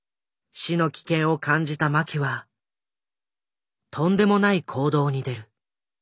死の危険を感じた麻紀はとんでもない行動に出る。